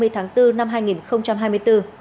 hai mươi tháng bốn năm hai nghìn hai mươi bốn